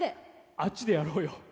あっちでやろうよ。